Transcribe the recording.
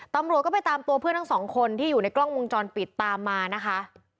ตำรวจก็ไปตามตัวเพื่อนทั้งสองคนที่อยู่ในกล้องวงจรปิดตามมานะคะ